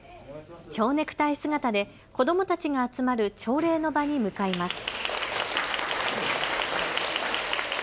ちょうネクタイ姿で子どもたちが集まる朝礼の場に向かいます。